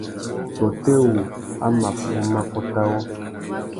Tôtê wu a mà fuma pôt awô ?